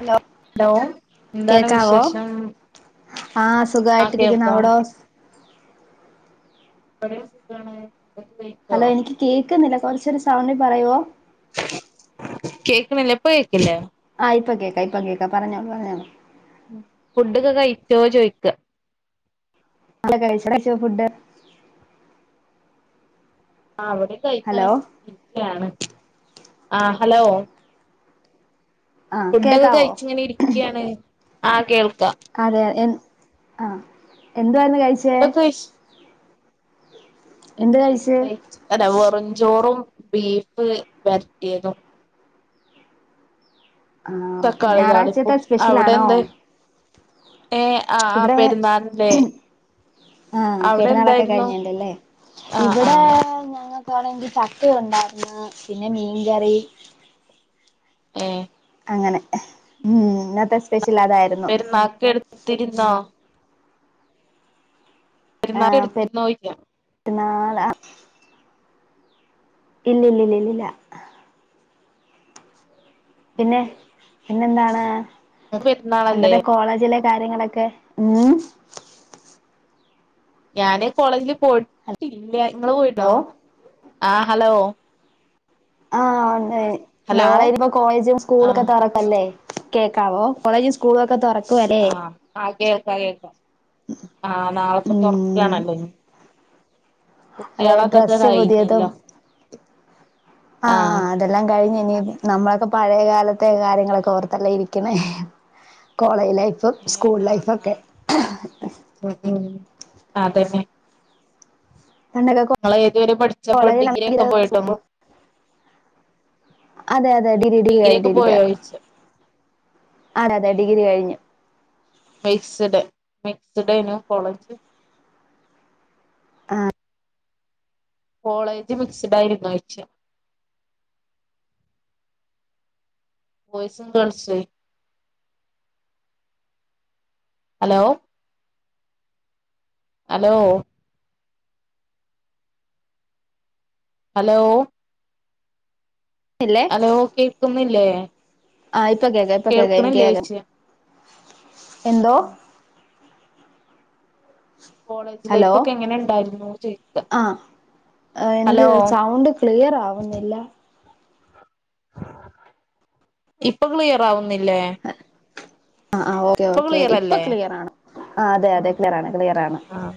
Hello hello എന്താണ് കേക്കാവോ വിശേഷം ആ ആ സുഖായിട്ടിരിക്ണ് കേൾക്കാം അവിടോ ഇവിടേം സുഖാണ് [unintelligible] കയിച്ചോ ക്കുന്നില്ല കുറച്ചൂടെ സൗണ്ടി പറയൊ കേക്ണില്ലേ ഇപ്പ കേക്ണില്ലേ ആ ഇപ്പൊ കേക്കാ ഇപ്പൊ കേക്കാ പറഞ്ഞോ പറഞ്ഞോ ഫുഡൊക്കെ കഴിച്ചോ ചോയ്ക്ക അ കഴിച്ചു [unintelligible] ഫുഡ് ആ അവിടെ ഹലോ കഴിക്കലൊക്കെ ആണ് ആ ഹലോ ആഹ് ഫുഡും കേക്കാവോ കഴിച്ചിങ്ങനെ ഇരിക്ക്യാണ് ആ കേൾക് അതെ അതെ ആഹ് എന്തുവാ ഇന്ന് കഴിച്ചേ ഫുഡൊക്കെ എന്ത് കഴിച്ച് നെയ് അല്ല വെറുംചോറും ബീഫ് വെരറ്റിയതും ആ ഓക്കെ തക്കാളി താളിപ്പും ഞായറാഴ്ചത്തെ അവിടെ സ്പെഷ്യലാണോ എന്താ ഏ ആ ആ ഇവിടെ പെരുന്നാളിന്റെ ആഹ് അവിടെ പെരുന്നാളൊക്കെ എന്തായിരുന്നു കഴിഞ്ഞേന്റെല്ലേ ആ ആ ഇണെങ്കി [unintelligible] ഉണ്ടായിന്ന് പിന്നെ മീൻകറി ഏഹ് അങ്ങനെ ഉ ഇന്നത്തെ സ്പ്യ പെരുന്നാക്ക് എടുത്തിരുന്നോ പെരുന്നാക്ക് എടുത്തിരുന്നോ ചോയ്ക്ക ഹലോ ഇല്ല ഇല്ല ഇല്ല ഇല്ലില്ല പിന്നെ പിന്നെന്താണ് ഇ പരുന്നാളല്ലേ പണ്ടത്തെ കോളേജിലെ കാര്യങ്ങളൊക്കെ ഉം ഞാന് കോളേജില് പോയിട്ടില്ല നിങ്ങള് പോയിട്ടോ ഹലോ ആ ഹലോ ആഹ ഉ ഏ് ഹലോ നാളെ ഇനി ഇപ്പോ കോളേജും സ്കൂള ഒക്കെ ആഹ് തറക്കല്ലേ കേൾക്കാവോ കോളേജും സ്കൂളുംൊക്കെ തുറക്ക ആഹെ കയക്ക ആഹ് നാളെപ്പ ഉം തുറക്കാണല്ലോ ഇ അതെ ഡ്രസ് പുതിയതും കഴിഞ്ഞല്ലോ ആ ആഹ് ആ അതെല്ലാം കഴിഞ്ഞു നമ്മളൊക്കെ പഴയ കാലത്തെ കാര്യങ്ങളൊക്കെ ഓർത്തല്ല ഇരിക്കണേ ലൈഫും ഏഹ് സ്കൂൾ ആഹ് ലൈഫൊക്കെ ആതന്നെ പണ്ടൊക്കെ നിങ്ങ ഏതുവരെ പഠിച്ചപ്പോ ഡിഗ്രി ഒക്കെ കോളേജിലാണെങ്കില് പോയിട്ടും അതെ അതെ അത ഡിഗ്രി ഡിഗ്രി കഴിിരിക്ക ആരാതെ ഏഹ് ഡിഗ്രി കഴിഞ്ഞു മിക്സ്ഡ് മിക്സ്ഡന കൊളഞ്ച് ആ കോളേജ് മിക്സഡ് ആയിരരുന്നു ആഴ്ച ബോയ്സും girls hello hello hello hello കേൾക്കുന്നില്ലേ ആയി ഇപ്പൊ കേൾക്ക ഇപ്പൊ കേൾക്കാം എനിക്ക് കോം കേൾക്കണില്ലേയ്ച്ച എന്ത കോളേജ് ഹലോ ലൈഫ് ഒക്കെ എങ്ങനെ ഉണ്ടായിരുന്നു ചോദിക്ക ആഹ എനിക്ക് ഹലോ സൗണ്ട് ക്ലിയർ ആവുന്നില്ല ഇപ്പൊ ക്ലിയയറാവുന്നില്ലേ ആ ആ ഓെ ഓക്കെ ഇപ്പൊ ക്ലിയർ ആണ ആ അതെ അതെ ക്ലിയർ ആാണ് ക്ലിയർ ആാണ് ആഹ്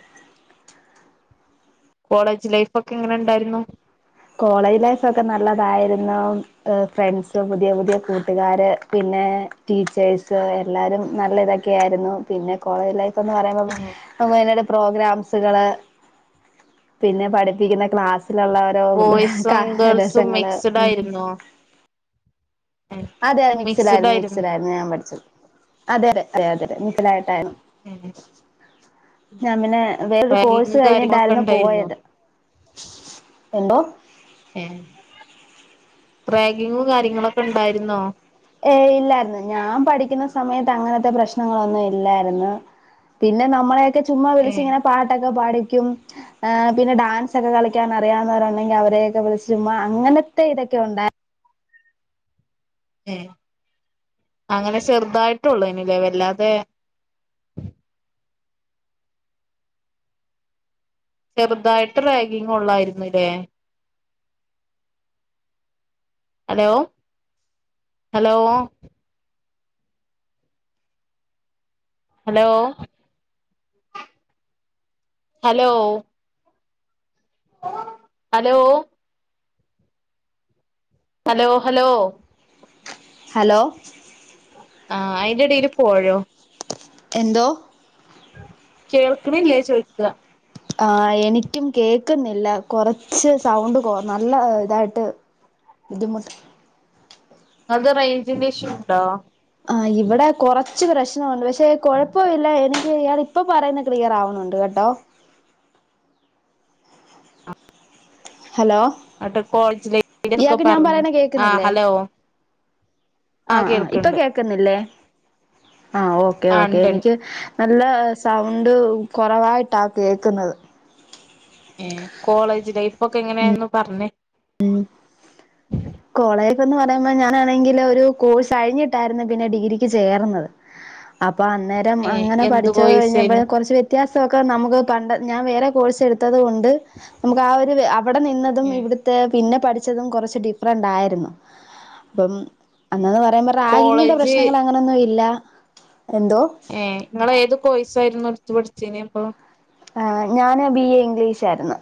കോളേജ് ലൈഫ് ഒക്കെ എങ്ങനെ ഉണ്ടായിരുന്നു കോളേജ് ലൈഫ് ഒക്കെ നല്ലതായിരുന്നു ഫ്രണ്ട്സ് പുതിയ പുതിയ കൂട്ടുകാാര് പിന്നെ ടീച്ചേഴ്സ് എല്ലാരും നല്ല ഇതൊക്കെയ ആായിരുന്നു പിന്നെ കോളേജ് ലൈഫ് ന്ന് പറയുമ്പോ നട് പ്രോഗ്രാംസുകള് പിന്നെ പഠിപ്പിക്കുന്ന ക്ലാസ്സിലുള്ള ഓരോ ബോയ്സും ഗേൾസും രസങ്ങള് മിക്സ്ഡ് ഉം ആയിുന്നോ അതെ അതെ മിക്സിഡൈരുന്നൂ മിക്സിഡൈരുന്നൂ ഞാൻ പഠിച്ചത് അതെ അതെ അതെ അതെ ഡായിട്ടായിരുന്നൂ ഞാ പിന്നെ വേറൊരു കോഴ്സ് റാഗിങ് കാര്യങ്ങളൊക്കെ കഴിഞ്ഞിട്ടായിരുന്നു ഉണ്ടായിരുന്നോ പോയത് എന്തോ റാഗിങ്ങും കാര്യങ്ങളൊക്കെ ഉണ്ടായിരുന്നോ ഏ ഇല്ലായിരുന്നു ഞാൻ പഠിക്കുന്ന സമയത്ത് അങ്ങനത്തെ പ്രശ്നങ്ങളൊന്നും ഇല്ലായിരുന്നു പിന്നെ നമ്മളെ ചുമ്മ വിളിച്ചിങ്ങനെ പാട്ട് - പാഠിക്കും ഏഹ് പിന്നെ ഡാൻസ ഒക്കെ കളിക്കാൻ അറിയാവുന്നവരുണ്ടെങ്കിൽ അവരെയൊക്കെ വിളിച്ചു ചുമ്മ അങ്ങനത്തെ ഇതൊക്കെ ഉണ്ടായി ഏഹ് അങ്ങനെ ചെറുതായിട്ടള്ളു എന്നിവ വല്ലാതെ- ചെറുതായിട്ട് റാഗിങ് ഉള്ളായിരുന്നുല്ലേ? Hello hello hello hello hello hello hello hello ആ അയിന്റെ എടേൽ പോയോ എന്തോ കേൾക്കണ്ണിലെ ചോഴിദിക്കുക ആ എനിക്കും കേക്കുന്നില്ല കുറച്ച് സൗണ്ട്കോ നല്ല ഇതായിട്ട് ബുദ്ധിമുട്ട് അത് റേഞ്ചിന്റെ ഇഷ്യൂ ഉണ്ടോ ആഹ് ഇവിടെ കുറച്ച് പ്രശ്നമുണ്ട് പക്ഷെ കൊഴപ്പവില്ല എനിക്ക് ഇയാൾ ഇപ്പൊ പറയുന്ന ക്ലിയർ ആാവുന്നുണ്ട് കേട്ടോ ഹലോ അട്ട് കോളേജിലൊക്കെ ഇയാക്ക് ഞാൻ പറഞ്ഞു പറയണ ആ കേൾക്കുന്നില്ലേ ഹലോ ആ ആ ഇപ്പൊ കേക്കുന്നില്ലേ ആഹ ഓക്കേ ആ ഓക്കേ ഉണ്ട്ണ്ട് എനിക്ക്- നല്ല സൗണ്ട് കുറവായിട്ടാ കേൾക്കുന്നത് ഏ കോളേജ് ലൈഫെക്കെ എങ്ങനെയാന്ന് പറഞ്ഞേ ഉ കോളേജന്ന് പറയുമ്പോ ഞാനാണെങ്കിൽ ഒരു കോഴ്സ് കഴിഞ്ഞിട്ടായിരുന്നു പിന്നെ ഡിഗ്രിക്ക് ചേർന്നത് അ പ്പൊ അന്നേരം ഏ അങ്ങനെ എന്ത് പഠിച്ചച്ച് കഴിഞ്ഞ കോഴ്സേനു കുറച്ച് വ്യത്യാ സക്കെ നമുക്ക് പണ്ട ഞാൻ വേറെ കോഴ്സ് എടുത്തത് കൊണ്ട് ണ്ട് നമുക്ക് ആ ഒരു അവിടെ നിന്നതും ഏ ഇവി പിന്നെ പഠിച്ചതും കുറച്ച് ഡിഫറൻറ് ആയിരുന്നു അപ്പം- അന്നന്ന് പറയുമ്പോ റാഗിങ്ങിന്റെ കോളേജ് പ്രശ്നങ്ങൾ അങ്ങനെൊന്നും ഇല്ല എന്തോ ഏ നിങൾ ഏത് കോയ്സായിരുന്നു സ് പഠിച്ചന അപ്പൊ ആ ഞാന് ബി എ ഇംഗ്ലീഷായിരുന്നു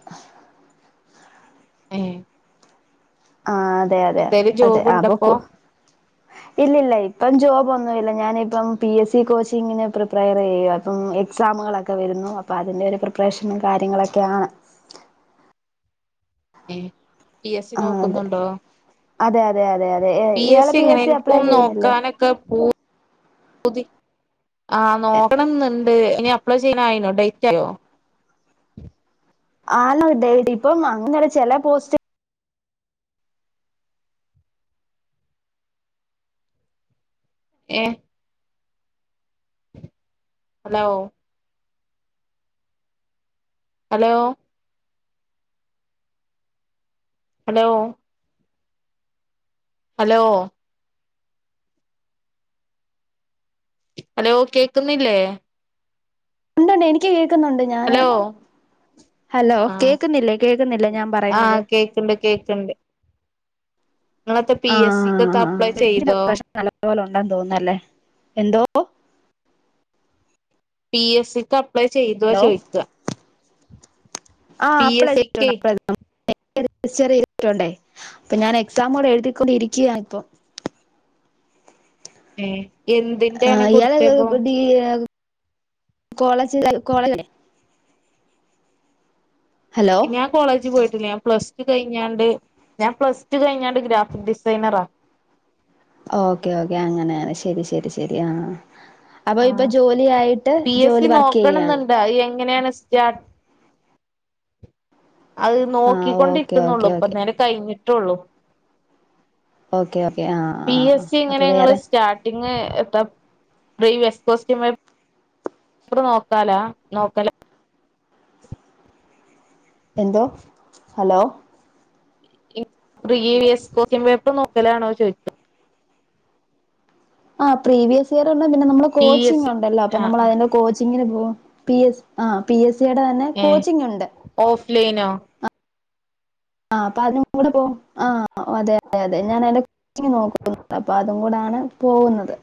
ഏ [unintelligible] ആ അതെ അതെ എന്തേലും അതെ ജോബ് ആ ഉണ്ടപ്പോ പോക്കൂ ഇല്ലല്ല ഇപ്പോം ജോബോനുമില്ല ഞാനിപ്പം പി എസ് സി കോച്ചിങ്ങിന് പ്രിപ്പയർ ചെയ്യ അപ്പം എക്സാമുകളൊക്കെ വരുന്നു അപ്പൊ അതിന്റെ ഒരു പ്രിപറേഷനും കാര്യങ്ങളൊക്കെ ആണ് ഏ [inaudible] പി എസ് സി ആ നോക്കുന്നുണ്ടോ അതെ അതെ അതെ അതെ അതെ പി എസ് ഇയാള് സി അപ്ലൈ എങ്ങനെപ്പും ചെയ്യുന്നില്ലേ നോക്കാനൊക്കെ പൂ- പുതി- ആഹ് നോക്കണന്നുണ്ട് ഇനി അപ്ലൈ ചെയ്യാനായിനോ ഡേറ്റ് ആയോ ആണോ ഡ ഇപ്പം അങ്ങെ ചെല പോസ്റ്റ് ഏ hello hello hello hello hello കേക്കുന്നില്ലേ ഉണ്ടണ്ട് എനിക്ക് കി കേക്കുന്നുണ്ട് ഞാന് ഹലോ ഹലോ ആ കേക്കുന്നില്ലേ കേൾക്കുന്നില്ലേ ഞാൻ ആ പറയുന്നത് കേക്കണ്ട് കേക്കണ്ട് നിങ്ങളത്തെ പി ആ എസ് സി ക്കത്ത അപ്ലൈ ചെയ്തോ വണ്ട തോന്നല്ലേ എന്തോ പി എസ് സി ക് അ അപ്ലൈ ചെയ്ത ചോയ്ക്ക ആഹ് അപ്ലേ ചെയിതിട്ടു അപ്ലൈ രജിസ്റ്റർ ചെയ്തിട്ടുണ്ടേ അപ്പൊ ഞാൻ എക്സാം കൂടെ എഴുതിക്കൊണ്ടിരിക്കയാ ഇപ്പൊ ഏഹ് ആഹ് ഇയാളെ [unintelligible] കോളേജ് കോളേജ ഹലോ ഞാൻ കോളേജ് പോയിട്ട് ഞാൻ പ്ലസ് ടു കഴിഞ്ഞാണ്ട് ഞാൻ പ്ലസ് ടു കഴിഞ്ഞാണ്ട് ഗ്രാഫിക് ഡിസൈനറാ ഓക്കെ ഓക്കെ അങ്ങനെയെ ശരി ശരി ശരി ശരിയാ അപ്പൊ ഇപ്പൊ ആ ജോലിയായിട്ട് ജോലി വർക്ക് ചെയ്യാണ് ങ്ങനെയാണ് സ്റ്റാർ അത് ആഹ് ഓക്കെ നോക്കിക്കൊണ്ടിരിക്കുന്നുള്ളൂ ഓക്കെ ഇപ്പ ഓക്കെ നേരം കഴിഞ്ഞി ട്ടുള്ളൂ. ഓക്കെയാ പി എസ് സി ഇങ്ങനെ ഞങ്ങള് സ്റ്റാർട്ടി- ഇങ്ങനെ എന്താ പ്രീ വെസ് കോസ്റ്റ്യ പേപ്പറു നോക്കാലോ ആ നോക്കാലോ എന്തോ ഹലോ ഈ പ്രീവിസ് കൊസ്റ്റിയൻ പേപ്പർ നോക്കലാണോ ചോദിച്ചത് ആ പ്രീവിയസ് തിയറി ഉണ്ട് നമ്മള് പി എസ് കോച്ചിംങ്‌ സി ഉണ്ടല്ലോ അപ്പ ആഹ് നമ്മള് ആഹ് അതിന്റെ കോച്ചിങ്ങിന് പോകും പി എസ്- ആ പി എസ് യെടെ തന്നെ കോച്ചിങ് ഉണ്ട് ലൈനോ ആ അപ്പ അതിനും കൂടെ പോവും ആ അതെ അതെ അതെ ഞാൻ അതിന്റെ കോച്ചിങ് നോക്കുന്നുണ്ട് അപ്പ അതും കൂടാണ് പോകുന്നത്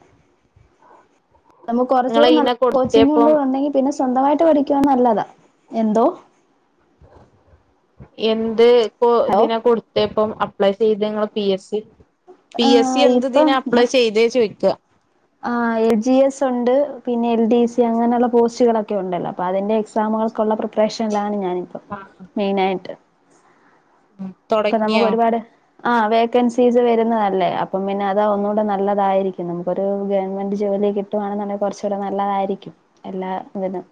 നമുക്ക് ഇങ്ങള് കുറച്ചൂടെ നല്ല അയിനാ കോച്ചിങ്ങ് കൊടുത്തേപ്പം കൂടെ ഉണ്ടെങ്കി പിന്നെ സ്വന്തമായിട്ട് പഠിക്കുവാണെങ്കി നല്ലതാ എന്തോ എന്ത് ഹലോ തിനാ കൊടുത്തെ ഇപ്പം അപ്ലൈ ചെയ്തെങ്ങള് P S C P S C ആഹ് എന്തിതിനാ ഇപ്പം അപ്ലൈ ചെയ്തേ ചോയ്ക്കാ ആഹ് എൽ ജി എസ് ഉണ്ട് പിന്നെ എൽ ഡി സി അങ്ങനെയുള്ള പോസ്റ്റുകളൊക്കെ ഉണ്ടല്ലോ അപ്പോൾ അതിന്റെ എക്സാമുകൾക്കുള്ള പ്രിപ്പറേഷനിലാണ് ഞാൻ മെയിനായിട്ട് ഇപ്പൊ നമുക്ക് തുടങ്ങിയോ ഒരുപാട് ആഹ വേക്കൻസീസ് വരുന്നതല്ലേ അപ്പം പിന്നെ അതാ ഒന്നുകൂടെ നല്ലതായിരിക്കും നമുക്കൊരു ഗവൺമെന്റ് ജോലി കിട്ടുവാണെന്നുണ്ടെങ്കിൽ കുറച്ചൂടെ നല്ലതായിരിക്കും എല്ലാ ഇതിനും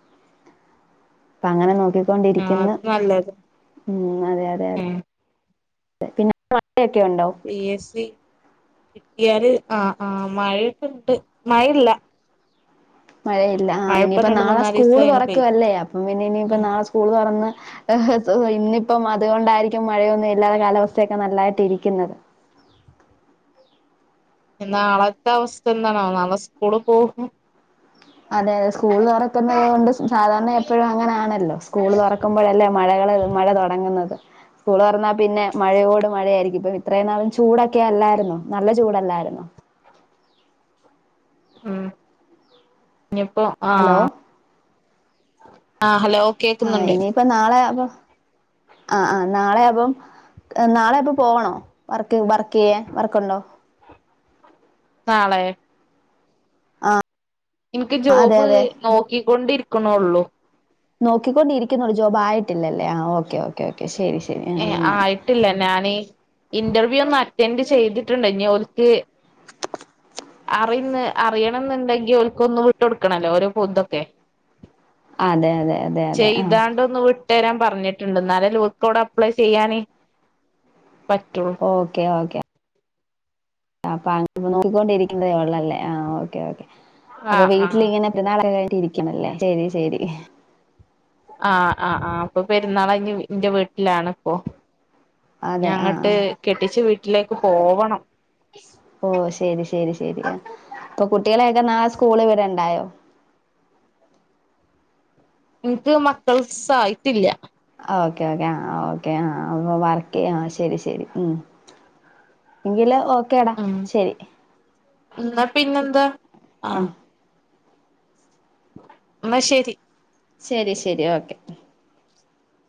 അപ്പ അങ്ങനെ നോക്കി ആഹ് നോക്കികൊണ്ടിരിക്കുന്നു അത് നല്ലത് ഉ അതെ അതെ ഏഹ് പിന്നെ മഴയൊക്കെ ഉണ്ടോ പി എസ് സി കിട്ടിയാല് ആഹ ആഹ മഴയൊക്കെ ഇണ്ട് മഴയില്ല മഴയില്ല മഴപ്പ ഇനിയിപ്പ രണ്ട് നാളെ മൂന്നാല് സ്കൂള് ദിവസായിണ് പെയ്തിട്ട് തുറക്കുവല്ലേ അപ്പം പിന്നെ ഇനിയിപ്പ ഉം നാളെ സ്കൂള് തുറന്ന് ഇന്നിപ്പം അതുകൊണ്ടായിരിക്കും മഴയൊന്നും ഇല്ലാതെ കാലാവസ്ഥയൊക്കെ നല്ലായിട്ട് ഇരിക്കുന്നത് നാളത്തെ അവസ്ഥ എന്താണാവോ നാളെ സ്കൂള് പോകു അതെ അതെ സ്കൂൾ തുറക്കുന്നത് കൊണ്ട് സാധാരണ എപ്പോഴും അങ്ങനാണല്ലോ സ്കൂൾ തുറക്കുമ്പോഴല്ലേ മഴകള് മഴ തുടങ്ങുന്നത് സ്കൂള് തുറന്നാ പിന്നെ മഴയോട് മഴയായിരിക്കും ഇപ്പൊ ഇത്രയും നാളും ചൂടൊക്കെ അല്ലായിരുന്നോ നല്ല ചൂടല്ലായിരുന്നോ ആഹ ഇനിയിപ്പോ ഹലോ ആഹ ആഹ ഹലോ ആഹ കേക്കുന്നുണ്ട് ഇനിയിപ്പ നാളെ അപ്പൊ ആ ആ നാളെയപ്പം നാളെയപ്പം പോകണോ വർക്ക് വർക്ക് ചെയ്യാൻ വർക്കുണ്ടോ നാളെ ആഹ എനിക്ക് ജോബ് നോക്കിക്കൊണ്ടിരി ക്കുണുള്ളൂ നോക്കിക്കൊണ്ടിരിക്കുന്നുള്ളൂ ജോബ് ആയിട്ടില്ലല്ലേ ആ ഓക്കെ ഓക്കേ ഓക്കെ ശ ഏ ആയിട്ടില്ല ഞൻ ഇന്റർ അറ്റൻഡ് ചെയ്തിട്ടുണ്ട് ഇനി ഒരേക്ക് അറന്ന് അറിയണം എന്നുണ്ടെങ്കി ഒക്ക് ഒന്ന് വിട്ട്ടുക്കണല്ലോ ഓരോ പുന്തൊക്കെ അതെ അതെ അതെ അതെ ആഹ ഇരാൻ പറഞ്ഞിട്ടുണ്ട് എന്നാലെ ലൂക്കോട് അപ്ലൈ ചെയ്യാന ഓക്കെ ഓക്കെ ആപ്പാ അപ്പൊ നോക്കിക്കൊണ്ടിരിക്കുന്നതേ ഉള്ളല്ലേ ആ ഓക്കെ ഓക്കെ അപ്പൊ ആഹ് ആഹ് വീട്ടിങ്ങനെ എ നാള ഇരി ല്ലേ ശരി ശരി ആഹ് ആ ആ അപ്പൊ പെരുന്നാൾ എറെ വീട്ടിലാാണ് ഇപ്പൊ അതെ ആ ആ ഞങ്ങട്ട് കെട്ടിച്ചു വീ വീട്ടിലേക്ക് പോവണം ഓ ശരി ശരി ശരിയാ ഇപ്പൊ കുട്ടികളെയൊക്കെ നാളെ സ് സ്കൂളിൽ വിടണ്ടായോ എനിക്ക് മക്കൾ സ് ആ യിടി ല്ല ഓക്കേ ഓക്കേ ആ ഓക്കെ ആഹ അ വർക്ക് ചെയ്യാം ശരി ശരി ഉം എങ്കില് ഓ കേടാ ഉം ശരി എന്നാ പിന്നെ എന്താ ആ എന്ന ശെരി ശരി ശരി ഓക്കെ